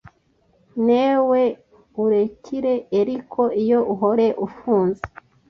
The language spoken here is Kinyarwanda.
newe urekire eriko iyo uhore ufunze